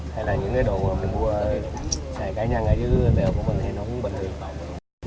hay là những cái đồ mình mua xài cá nhân ở dưới đều của mình thì nó cũng bình thường